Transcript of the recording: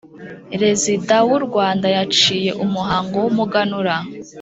Rezida w'u Rwanda yaciye umuhango w'umuganura